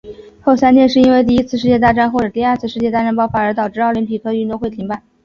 后三届是因为第一次世界大战或者第二次世界大战爆发而导致奥林匹克运动会停办。